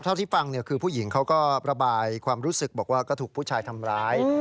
เท่าที่ฟังผู้หญิงก็ระบายความรู้สึกว่าถูกผู้ชายทำร้าย